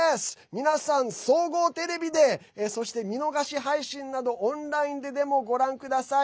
皆さん、総合テレビでそして見逃し配信などオンラインででもご覧ください。